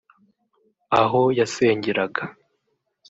Aho yasengeraga